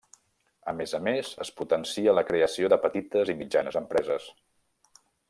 A més a més es potencia la creació de petites i mitjanes empreses.